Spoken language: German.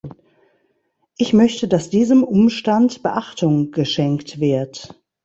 Ich möchte, dass diesem Umstand Beachtung geschenkt wird.